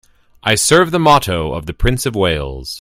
I serve the motto of the Prince of Wales.